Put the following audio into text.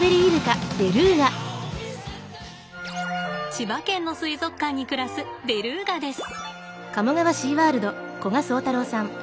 千葉県の水族館に暮らすベルーガです。